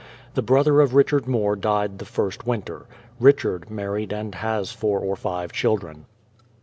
The brother of Richard More died the first winter. Richard married and has four or five children.